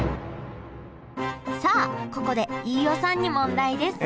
さあここで飯尾さんに問題です！えっ！？